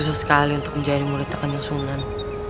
susah sekali untuk mencari murid akan yang sunan